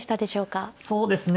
そうですね